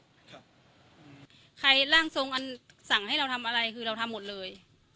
ใครร่างทรงอันสั่งให้เราทำอะไรคือเราทำหมดเลย